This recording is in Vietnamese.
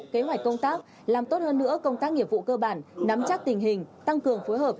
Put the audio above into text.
kế hoạch công tác làm tốt hơn nữa công tác nghiệp vụ cơ bản nắm chắc tình hình tăng cường phối hợp